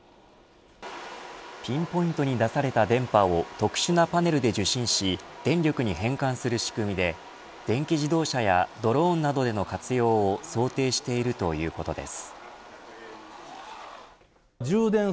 ピンポイントに出された電波を特殊なパネルで受信し電力に変換する仕組みで電気自動車やドローンなどへの活用を想定しているということです。